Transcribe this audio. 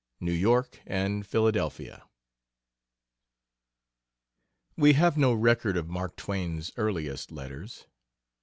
NEW YORK AND PHILADELPHIA We have no record of Mark Twain's earliest letters.